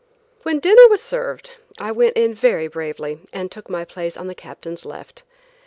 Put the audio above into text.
When dinner was served I went in very bravely and took my place on the Captain's left.